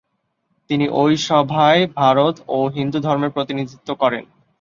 তিনি ওই সভায় ভারত ও হিন্দুধর্মের প্রতিনিধিত্ব করেন।